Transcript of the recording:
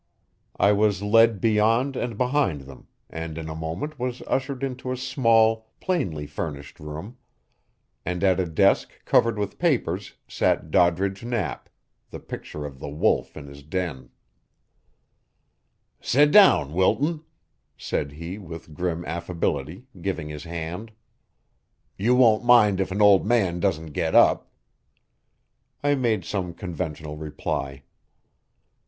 I was led beyond and behind them, and in a moment was ushered into a small, plainly furnished room; and at a desk covered with papers sat Doddridge Knapp, the picture of the Wolf in his den. "Sit down, Wilton," said he with grim affability, giving his hand. "You won't mind if an old man doesn't get up." I made some conventional reply.